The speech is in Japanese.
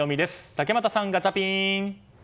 竹俣さん、ガチャピン！